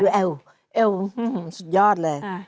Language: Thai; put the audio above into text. ดูเอวอื้อหื้อสุดยอดเลย